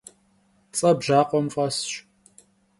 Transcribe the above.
Ts'e bjakhuem f'esş.